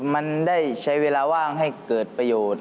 มันได้ใช้เวลาว่างให้เกิดประโยชน์